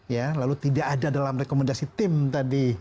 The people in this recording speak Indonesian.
ya lalu tidak ada dalam rekomendasi tim tadi